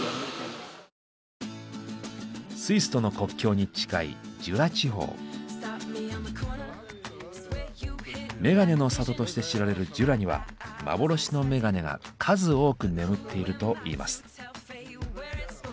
スイスとの国境に近いメガネの里として知られるジュラには幻のメガネが数多く眠っているといいます。